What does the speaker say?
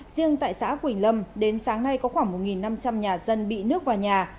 riêng tại xã quỳnh lâm đến sáng nay có khoảng một năm trăm linh nhà dân bị nước vào nhà